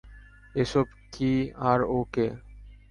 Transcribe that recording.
এসব কী আর ও কে?